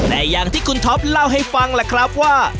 แต่อย่างที่คุณท็อปเล่าให้ฟังล่ะครับว่า